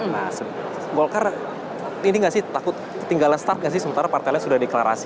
nah bolkar ini gak sih takut ketinggalan start gak sih sementara partainya sudah deklarasi